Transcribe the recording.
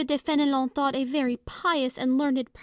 de F6n61on thought a very pious and learned person ■?